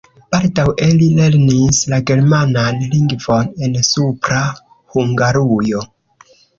Baldaŭe li lernis la germanan lingvon en Supra Hungarujo.